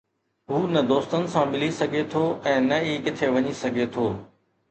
هو نه دوستن سان ملي سگهي ٿو ۽ نه ئي ڪٿي وڃي سگهي ٿو